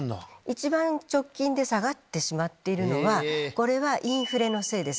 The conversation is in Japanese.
一番直近で下がってしまっているのはインフレのせいです